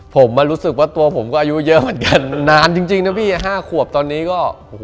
ผมมารู้สึกว่าตัวผมก็อายุเยอะเหมือนกันนานจริงนะพี่๕ขวบตอนนี้ก็โอ้โห